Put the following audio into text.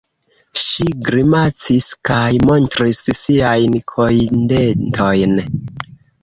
Ŝi grimacis kaj montris siajn kojndentojn.